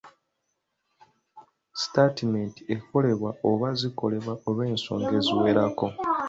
Sitaatimenti ekolebwa oba zikolebwa olw'ensonga eziwerako.